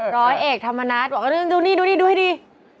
ร้อยเอกธรรมนัทดูนี่ดูนี่ดูให้ดี